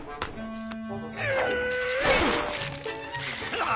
ああ。